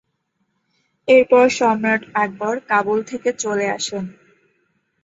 এরপর সম্রাট আকবর কাবুল থেকে চলে আসেন।